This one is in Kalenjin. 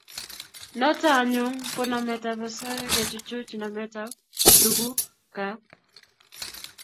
Noto anyun ko nametab osoya kechuchuch nametab tugukab